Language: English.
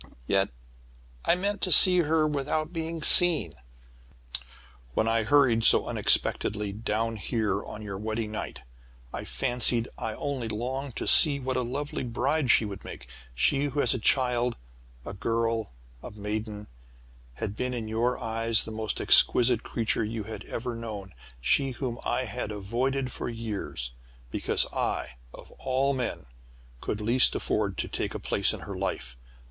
"Yet I had meant to see her without being seen, when I hurried so unexpectedly down here on your wedding night. I fancied I only longed to see what a lovely bride she would make she who as a child, a girl, a maiden, had been in your eyes the most exquisite creature you had ever known; she whom I had avoided for years, because I, of all men, could least afford to take a place in her life!